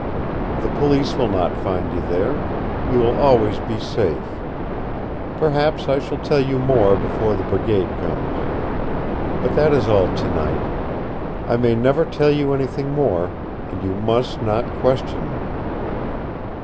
The police will not find you there. You will always be safe. Perhaps I shall tell you more before the Brigade comes. But that is all tonight. I may never tell you anything more. And you must not question me."